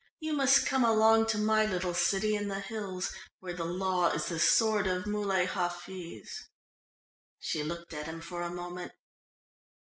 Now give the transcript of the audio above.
"You must come along to my little city in the hills where the law is the sword of Muley Hafiz." She looked at him for a moment.